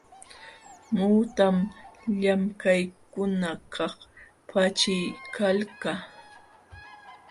Muhutam llamkaqkunakaq paćhiykalka.